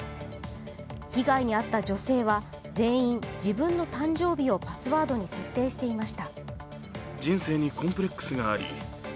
被害に遭った女性は全員、自分の誕生日をパスワードに設定していました。